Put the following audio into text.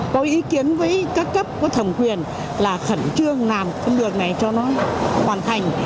có ý kiến với các cấp có thẩm quyền là khẩn trương làm cái đường này cho nó hoàn thành